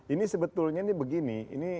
ini sebetulnya ini begini